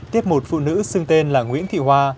tiếp một phụ nữ xưng tên là nguyễn thị hoa